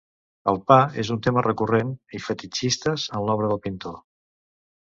El pa és un tema recurrent i fetitxistes en l'obra del pintor.